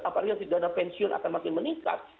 apalagi nanti dana pensiun akan makin meningkat